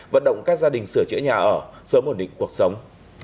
vận động các gia đình sửa chữa nhà ở sớm ổn định cuộc sống